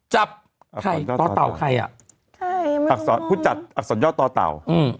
จับใครตเต่าใครอ่ะอักษรย่อตเต่า